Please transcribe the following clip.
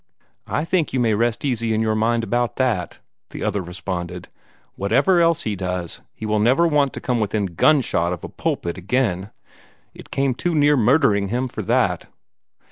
"I think you may rest easy in your mind about that," the other responded. "Whatever else he does, he will never want to come within gunshot of a pulpit again. It came too near murdering him for that."